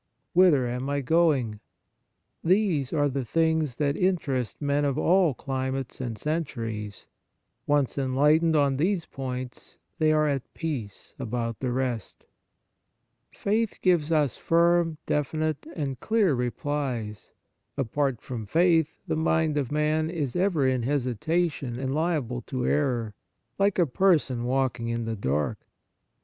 Whither am I going ? These are the things that interest men of all climates and centuries ; once enlightened on these points, they are at peace about the rest. Faith gives us firm, defi nite, and clear replies. Apart from faith, the mind of man is ever in hesitation and liable to error, like a person walking in the dark.